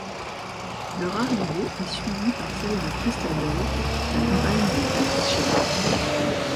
Leur arrivée est suivie par celle de Kristen Bell, la compagne de Dax Shepard.